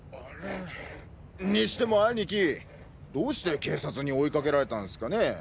にしても兄貴どうして警察に追いかけられたんすかね？